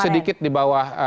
sedikit di bawah